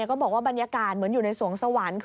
ก็บอกว่าบรรยากาศเหมือนอยู่ในสวงสวรรค์